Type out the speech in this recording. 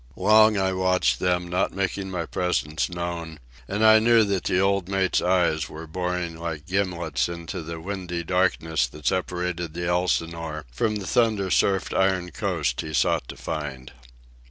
Long I watched them, not making my presence known, and I knew that the old mate's eyes were boring like gimlets into the windy darkness that separated the Elsinore from the thunder surfed iron coast he sought to find.